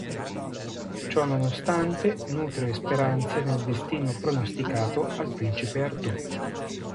Ciononostante nutre speranze nel destino pronosticato al principe Artù.